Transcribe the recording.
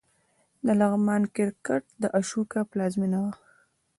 د لغمان کرکټ د اشوکا پلازمېنه وه